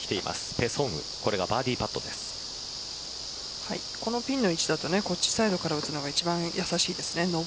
ペ・ソンウこのピンの位置だとこっちサイドから打つのが一番やさしいですね。